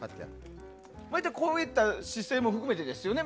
こういった姿勢も含めてですよね。